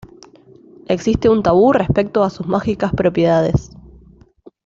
Existe un tabú respecto a sus mágicas propiedades.